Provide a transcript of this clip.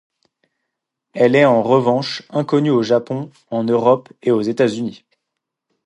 Elle est en revanche inconnue au Japon, en Europe et aux États-Unis.